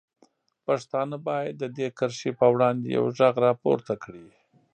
پښتانه باید د دې کرښې په وړاندې یوغږ راپورته کړي.